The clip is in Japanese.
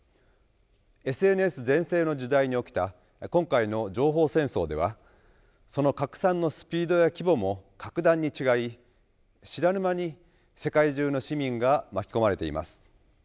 ＳＮＳ全盛の時代に起きた今回の情報戦争ではその拡散のスピードや規模も格段に違い知らぬ間に世界中の市民が巻き込まれています。